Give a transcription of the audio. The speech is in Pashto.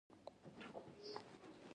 د بې وزنۍ په حالت کې وي.